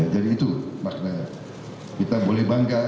jadi itu makna kita boleh bangga